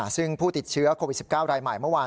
ซึ่งผู้ติดเชื้อโควิด๑๙รายใหม่เมื่อวาน